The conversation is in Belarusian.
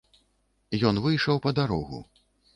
Ён выйшаў па дарогу.